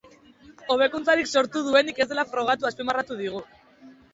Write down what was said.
Hobekuntzarik sortu duenik ez dela frogatu azpimarratu digu.